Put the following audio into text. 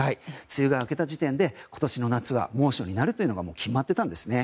梅雨が明けた時点で今年の夏は猛暑になるというのが決まっていたんですね。